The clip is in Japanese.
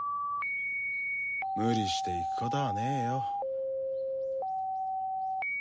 無理して行くこたぁねよ。